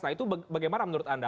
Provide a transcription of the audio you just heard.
nah itu bagaimana menurut anda